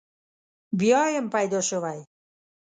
بیا یم پیدا شوی.